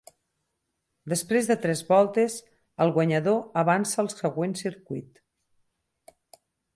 Després de tres voltes, el guanyador avança al següent circuit.